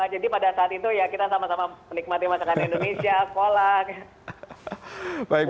jadi pada saat itu ya kita sama sama menikmati masakan indonesia kolak